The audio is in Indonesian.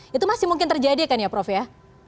itu masih mungkin terjadi kan ya prof ya